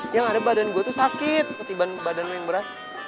yang ada badan gue tuh sakit ketiban badanmu yang berat